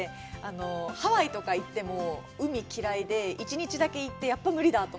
ハワイとかに行っても海嫌いで、１日だけ行って、やっぱり無理だと。